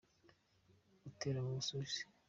butera mu Busuwisi